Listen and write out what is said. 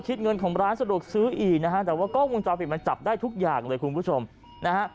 เงินของร้านสะดวกซื้ออีกนะฮะแต่ว่ากล้องวงจรปิดมันจับได้ทุกอย่างเลยคุณผู้ชมนะฮะ